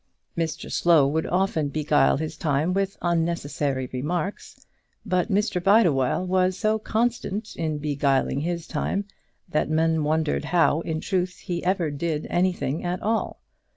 Mr Slow would often beguile his time with unnecessary remarks; but Mr Bideawhile was so constant in beguiling his time, that men wondered how, in truth, he ever did anything at all.